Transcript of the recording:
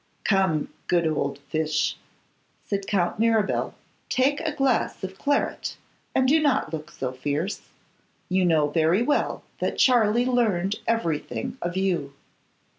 'Come, good old Fyshe,' said Count Mirabel, 'take a glass of claret, and do not look so fierce. You know very well that Charley learned everything of you.